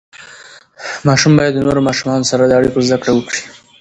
ماشوم باید د نورو ماشومانو سره د اړیکو زده کړه وکړي.